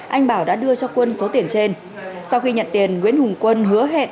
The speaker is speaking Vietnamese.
anh bảo đã đưa cho quân số tiền trên sau khi nhận tiền nguyễn hùng quân hứa hẹn